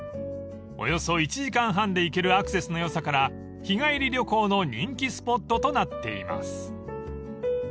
［およそ１時間半で行けるアクセスのよさから日帰り旅行の人気スポットとなっています］